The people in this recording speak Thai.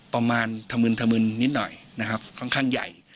ประมาณธมึนธมึนนิดหน่อยนะครับค่อนข้างใหญ่